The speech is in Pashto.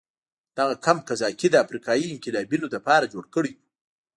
دغه کمپ قذافي د افریقایي انقلابینو لپاره جوړ کړی و.